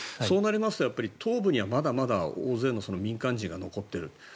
そうなりますと東部にはまだまだ大勢の民間人が残っている。